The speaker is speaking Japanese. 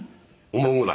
「思うぐらい」